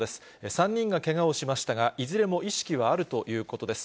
３人がけがをしましたが、いずれも意識はあるということです。